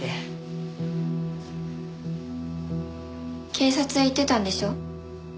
警察へ行ってたんでしょ？